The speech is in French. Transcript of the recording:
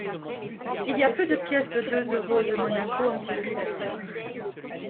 Il y a peu de pièces de deux euros de Monaco en circulation.